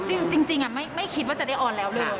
จริงไม่คิดว่าจะได้ออนแล้วเลย